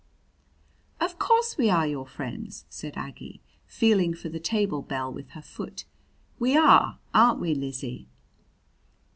"Of course we are your friends," said Aggie, feeling for the table bell with her foot. "We are aren't we, Lizzie?"